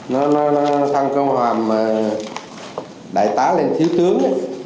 nó thăng cấp bậc hàm đại tá lên thiếu tướng